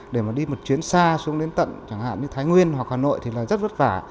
để mà đi một chuyến xa xuống đến tận chẳng hạn như thái nguyên hoặc hà nội thì là rất vất vả